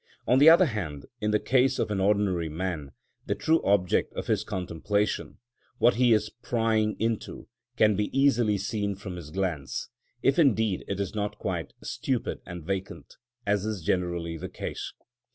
On the other hand, in the case of an ordinary man, the true object of his contemplation, what he is prying into, can be easily seen from his glance, if indeed it is not quite stupid and vacant, as is generally the case.